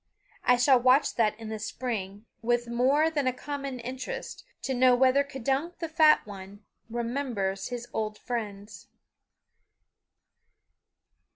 I shall watch that in the spring with more than common interest to know whether K'dunk the Fat One remembers his old friends.